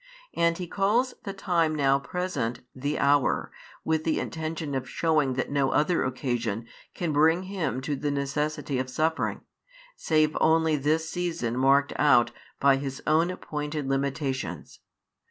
And He calls the time now present "the hour," with the intention of shewing that no other occasion can bring Him to the necessity of suffering, save only this season marked out by His own appointed limitations.